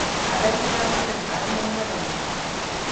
a gani na wannan karamin mura ne